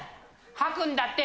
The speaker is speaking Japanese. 掃くんだって。